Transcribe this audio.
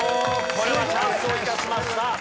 これはチャンスを生かしました。